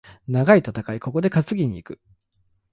長い戦い、ここで担ぎに行く。